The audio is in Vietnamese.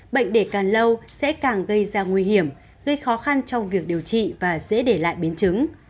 bệnh đề càng lâu sẽ càng gây ra nguy hiểm gây khó khăn trong việc điều trị và dễ để lại biến chứng